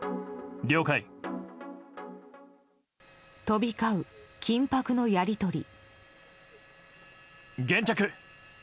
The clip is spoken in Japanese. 飛び交う緊迫のやり取り。